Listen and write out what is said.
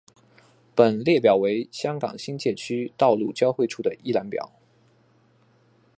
本列表为香港新界区道路交汇处的一览表。